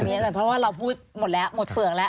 เพราะว่าเราพูดหมดแล้วหมดเปลือกแล้ว